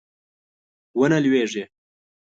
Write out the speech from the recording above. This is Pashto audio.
ونه لویږي